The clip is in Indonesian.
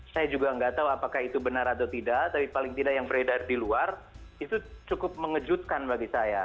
saya juga nggak tahu apakah itu benar atau tidak tapi paling tidak yang beredar di luar itu cukup mengejutkan bagi saya